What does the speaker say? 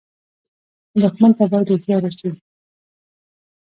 دښمن ته باید هوښیار اوسې